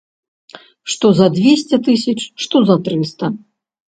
Што за дзвесце тысяч, што за трыста.